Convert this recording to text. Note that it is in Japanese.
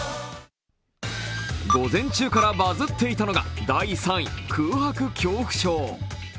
午前中からバズっていたのが第３位、空白恐怖症。